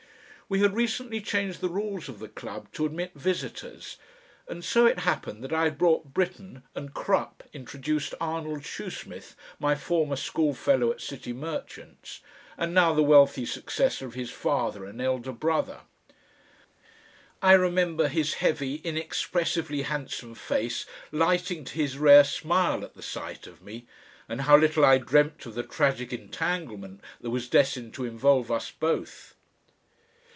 We had recently changed the rules of the club to admit visitors, and so it happened that I had brought Britten, and Crupp introduced Arnold Shoesmith, my former schoolfellow at City Merchants, and now the wealthy successor of his father and elder brother. I remember his heavy, inexpressively handsome face lighting to his rare smile at the sight of me, and how little I dreamt of the tragic entanglement that was destined to involve us both.